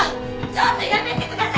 ちょっとやめてください！